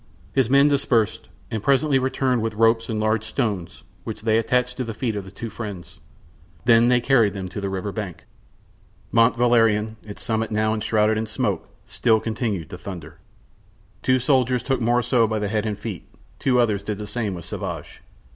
His men dispersed, and presently returned with ropes and large stones, which they attached to the feet of the two friends; then they carried them to the river bank. Mont Valerien, its summit now enshrouded in smoke, still continued to thunder. Two soldiers took Morissot by the head and the feet; two others did the same with Sauvage.